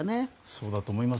そうだと思います。